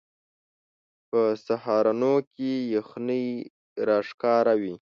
په سهارونو کې یخنۍ راښکاره وي